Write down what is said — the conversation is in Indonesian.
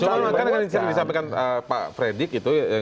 cuma makanya disampaikan pak fredy